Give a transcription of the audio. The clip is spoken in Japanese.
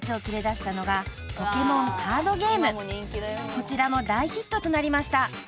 ［こちらも大ヒットとなりました］